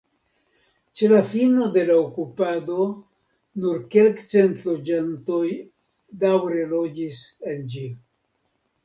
Ĉe la fino de la okupado nur kelkcent loĝantoj daŭre loĝis en ĝi.